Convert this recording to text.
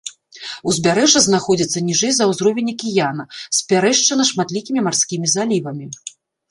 Узбярэжжа знаходзіцца ніжэй за ўзровень акіяна, спярэшчана шматлікімі марскімі залівамі.